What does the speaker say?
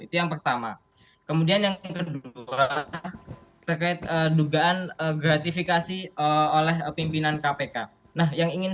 itu yang pertama kemudian kevk dari juga kan gratifikasi oleh pemimpinan kpk nah yang ingin